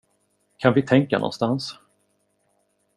Kan vi tänka någonstans?